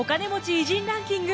偉人ランキング